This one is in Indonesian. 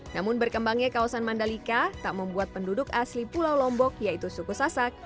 namun berkembangnya kawasan mandalika tak membuat penduduk asli pulau lombok yaitu suku sasak